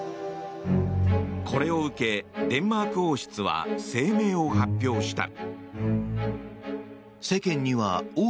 これを受け、デンマーク王室は声明を発表した。